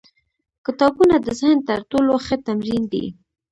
کتابونه د ذهن تر ټولو ښه تمرین دی.